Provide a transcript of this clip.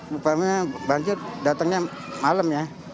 rupanya banjir datangnya malam ya